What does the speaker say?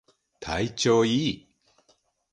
体調いい